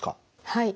はい。